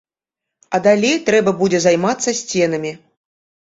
А далей трэба будзе займацца сценамі.